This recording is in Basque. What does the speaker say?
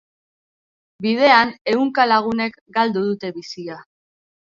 Bidean, ehunka lagunek galdu dute bizia.